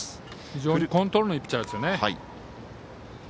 非常にコントロールのいいピッチャーですよね。